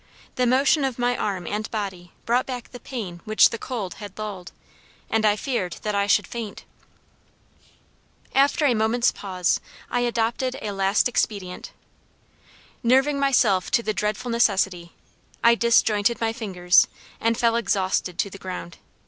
The motion of my arm and body brought back the pain which the cold had lulled, and I feared that I should faint. After a moment's pause I adopted a last expedient. Nerving myself to the dreadful necessity, I disjointed my fingers and fell exhausted to the ground.